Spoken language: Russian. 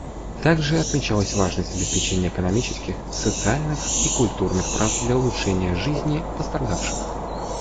Также отмечалась важность обеспечения экономических, социальных и культурных прав для улучшения жизни пострадавших.